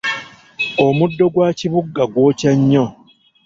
Omuddo gwa kibugga gwokya nnyo.